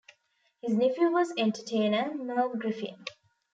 His nephew was entertainer Merv Griffin.